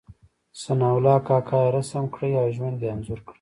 ثناء الله کاکا يې رسم کړی او ژوند یې انځور کړی.